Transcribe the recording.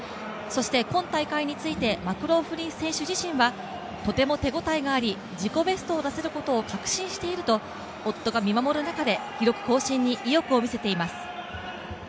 そして今大会についてマクローフリン選手自身はとても手応えがあり、自己ベストを出せることを確信していると、夫が見守る中で記録更新に意欲を見せています。